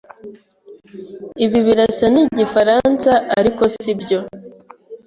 Ibi birasa nkigifaransa, ariko sibyo.